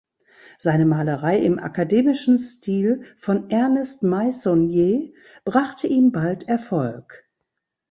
Seine Malerei im akademischen Stil von Ernest Meissonier brachte ihm bald Erfolg.